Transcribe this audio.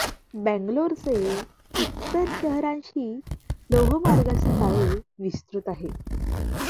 बेंगलोरचे इतर शहरांशी लोहमार्गाचे जाळे विस्तृत आहे.